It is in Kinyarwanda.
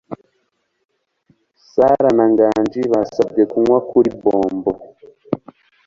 Sarah na Nganji basabwe kunywa kuri bobo.